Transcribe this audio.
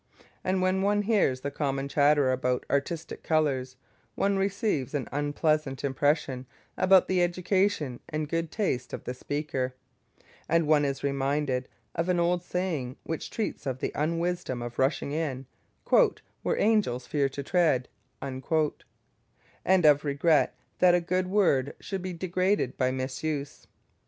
And when one hears the common chatter about "artistic colours," one receives an unpleasant impression about the education and good taste of the speaker; and one is reminded of an old saying which treats of the unwisdom of rushing in "where angels fear to tread," and of regret that a good word should be degraded by misuse.